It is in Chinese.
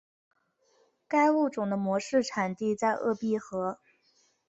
该物种的模式产地在鄂毕河。